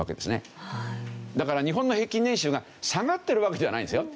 だから日本の平均年収が下がってるわけではないんですよ。